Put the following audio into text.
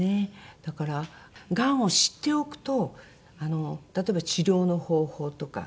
だからがんを知っておくと例えば治療の方法とか。